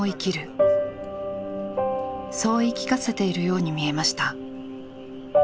そう言い聞かせているように見えました。